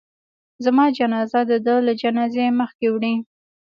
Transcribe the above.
زما جنازه د ده له جنازې مخکې وړئ.